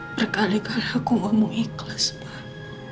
berkali kali aku gak mau ikhlas pak